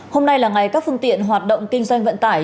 hôm nay là ngày các phương tiện hoạt động kinh doanh vận tải